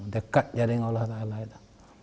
dekat dia dengan allah ta'ala itu